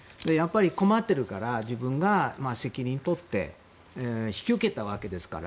困っているから、自分が責任を取って引き受けたわけですから。